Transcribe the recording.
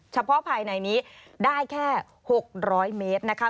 เฉพาะภายในนี้ได้แค่๖๐๐เมตรนะคะ